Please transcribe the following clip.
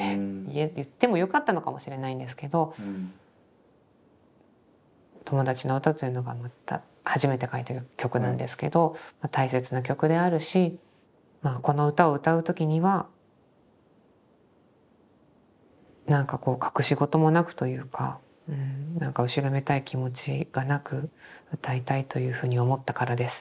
言ってもよかったのかもしれないんですけど「『友達の詩』というのが初めて書いてる曲なんですけど大切な曲であるしまあこの歌を歌う時にはなんかこう隠し事もなくというかなんか後ろめたい気持ちがなく歌いたいというふうに思ったからです」